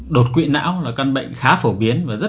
đoán là nhóm này nhận sẵn và